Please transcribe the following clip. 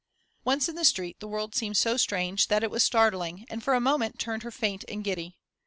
Once in the street the world seemed so strange that it was startling, and for a moment turned her faint and giddy.